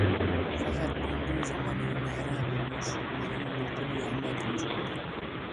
Fakat döndüğü zaman evini harap olmuş, malını mülkünü yağma edilmiş buldu.